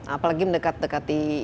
apalagi mendekati pemilu